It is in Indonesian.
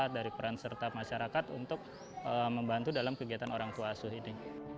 dari peran serta masyarakat untuk membantu dalam kegiatan orang tua asuh ini